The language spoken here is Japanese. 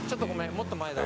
もっと前だ。